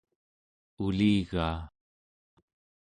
uligaa